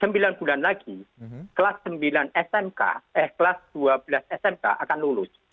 sembilan bulan lagi kelas sembilan smk eh kelas dua belas smk akan lulus